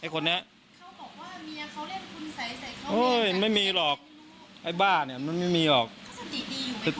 เขาสติดีมั้ยถามจริง